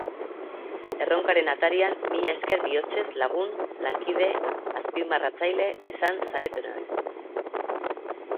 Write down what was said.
Erronkaren atarian mila esker bihotzez lagun, lankide, azpimarratzaile izan zaretenoi.